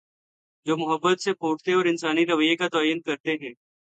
جومحبت سے پھوٹتے اور انسانی رویے کا تعین کر تے ہیں۔